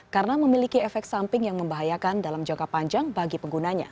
karena memiliki efek samping yang membahayakan dalam jangka panjang bagi penggunanya